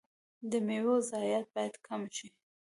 د میوو ضایعات باید کم شي.